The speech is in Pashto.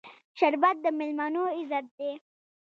شربت د میلمنو عزت دی